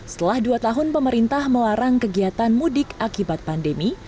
setelah dua tahun pemerintah melarang kegiatan mudik akibat pandemi